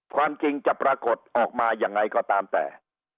ความจริงจะปรากฏออกมายังไงก็ตามแต่